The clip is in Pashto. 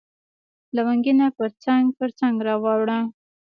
لونګینه پرڅنګ، پرڅنګ را واوړه